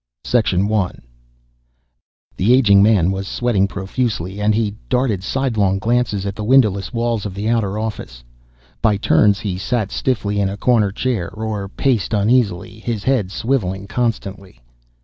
_ I. The aging man was sweating profusely, and he darted sidelong glances at the windowless walls of the outer office. By turns, he sat stiffly in a corner chair or paced uneasily, his head swiveling constantly.